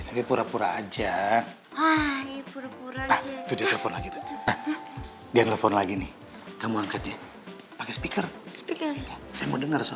hai pura pura aja ah itu dia telepon lagi nih kamu angkatnya speaker speaker mau dengar soal